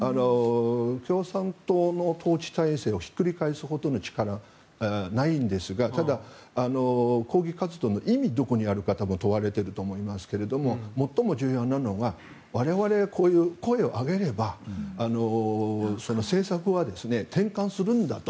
共産党の統治体制をひっくり返すほどの力はないんですがただ、抗議活動の意味がどこにあるかを多分問われていると思いますが最も重要なのは我々が声を上げれば政策は転換するんだと。